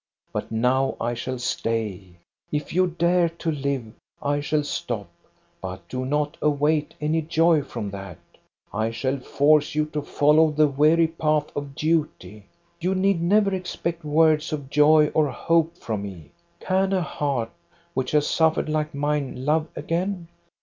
But now I shall stay. If you dare to live, I shall stop; but do not await any joy from that. I shall force you to follow the weary path of duty. You need never expect words of joy or hope from me. Can a heart which has suffered like mine love again?